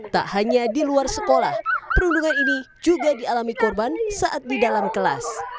tak hanya di luar sekolah perundungan ini juga dialami korban saat di dalam kelas